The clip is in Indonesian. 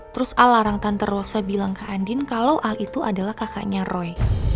terus alarang tante rosa bilang ke andin kalau al itu adalah kakaknya roy